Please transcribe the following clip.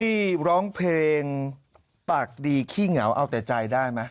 พี่ร้องเพลงปากดีขี้เหงาเอาแต่ใจได้ไหม